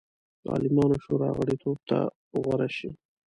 د عالمانو شورا غړیتوب ته غوره شي.